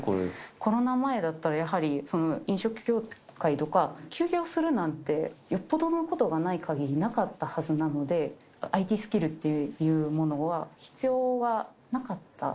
コロナ前だったら、やはりその飲食業界とか、休業するなんてよっぽどのことがないかぎりなかったはずなので、ＩＴスキルっていうものは必要はなかった。